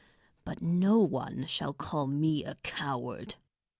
But no one shall call me coward.